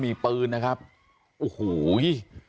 บอกแล้วบอกแล้วบอกแล้ว